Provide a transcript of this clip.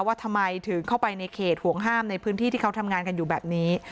ว่าทำไมถึงเข้าไปในเขตห่วงห้ามในพื้นที่ที่เขาทำงานกันอยู่แบบนี้